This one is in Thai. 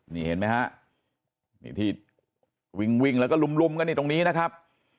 นี่เห็นไหมฮะนี่ที่วิ่งวิ่งแล้วก็ลุมกันนี่ตรงนี้นะครับ